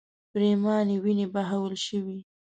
پرېمانې وینې بهول شوې.